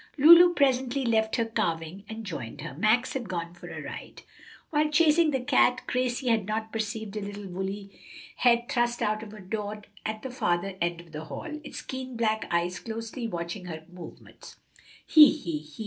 Lulu presently left her carving and joined her. Max had gone for a ride. While chasing the cat Gracie had not perceived a little woolly head thrust out of a door at the farther end of the hall, its keen black eyes closely watching her movements. "He, he, he!"